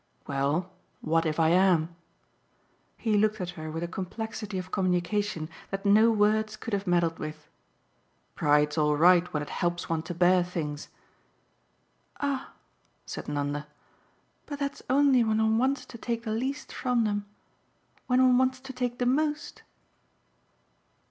"Well, what if I am?" He looked at her with a complexity of communication that no words could have meddled with. "Pride's all right when it helps one to bear things." "Ah," said Nanda, "but that's only when one wants to take the least from them. When one wants to take the most